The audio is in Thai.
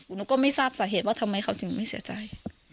หนูก็ไม่ทราบสาเหตุว่าทำไมเขาถึงไม่เสียใจ